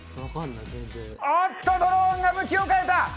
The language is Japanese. ドローンが向きを変えた。